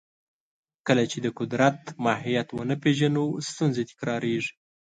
کله چې د قدرت ماهیت ونه پېژنو، ستونزې تکراریږي.